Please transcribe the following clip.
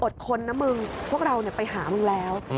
ทนนะมึงพวกเราไปหามึงแล้ว